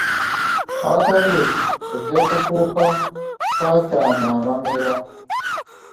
Awatali ekyo, ojja kufuuka, kaakyama amamera!